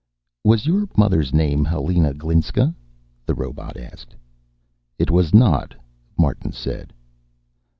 "Was your mother's name Helena Glinska?" the robot asked. "It was not," Martin said.